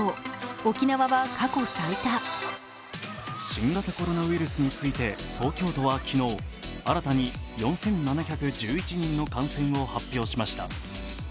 新型コロナウイルスについて東京都は昨日、新たに４７１１人の感染を発表しました。